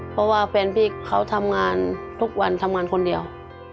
เพราะว่าแฟนพี่เขาทำงานทุกวันทำงานคนเดียว